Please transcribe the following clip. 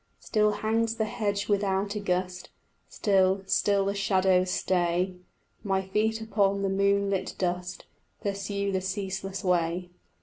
Still hangs the hedge without a gust, Still, still the shadows stay: My feet upon the moonlit dust Pursue the ceaseless way.